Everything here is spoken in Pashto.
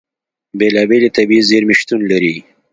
بېلابېلې طبیعي زیرمې شتون لري.